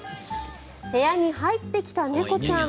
部屋に入ってきた猫ちゃん。